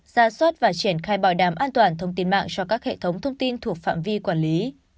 bảo đảm an toàn thông tin mạng cho các hệ thống thông tin thuộc phạm vi quản lý